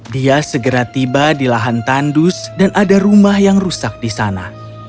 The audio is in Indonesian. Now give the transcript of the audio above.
dia segera tiba di lahan tandus dan ada rumah yang rusak di sana